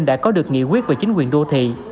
đã có được nghị quyết về chính quyền đô thị